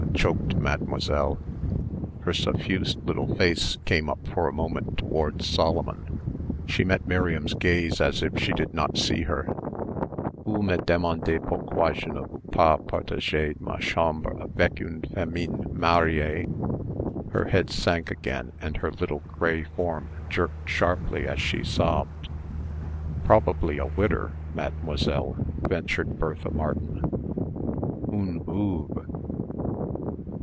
choked Mademoiselle. Her suffused little face came up for a moment towards Solomon. She met Miriam's gaze as if she did not see her. "Vous me demandez pourquoi je ne veux pas partager ma chambre avec une femme mariée?" Her head sank again and her little grey form jerked sharply as she sobbed. "Probably a widder, Mademoiselle," ventured Bertha Martin, "oon voove."